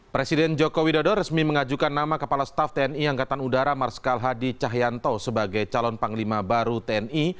presiden joko widodo resmi mengajukan nama kepala staff tni angkatan udara marsikal hadi cahyanto sebagai calon panglima baru tni